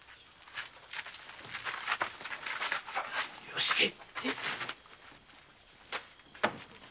よし行け